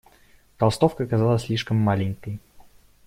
Толстовка казалась слишком маленькой.